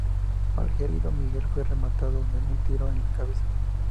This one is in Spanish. Malherido, Miguel fue rematado de un tiro en la cabeza.